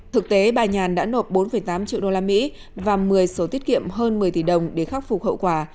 thực tế bà nhàn đã nộp bốn tám triệu đô la mỹ và một mươi số tiết kiệm hơn một mươi tỷ đồng để khắc phục hậu quả